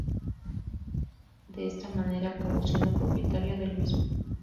De esta manera acabó siendo propietario del mismo.